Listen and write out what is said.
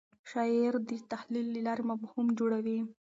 شاعر د تخیل له لارې مفهوم جوړوي.